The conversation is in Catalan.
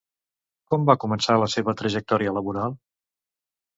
Com va començar la seva trajectòria laboral?